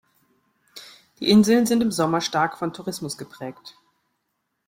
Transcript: Die Inseln sind im Sommer stark vom Tourismus geprägt.